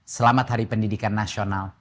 selamat hari pendidikan nasional